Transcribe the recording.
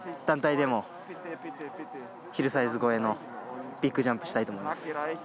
団体でもヒルサイズ越えのビッグジャンプしたいと思います。